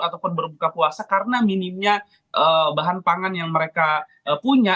ataupun berbuka puasa karena minimnya bahan pangan yang mereka punya